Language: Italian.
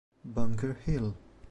Bunker Hill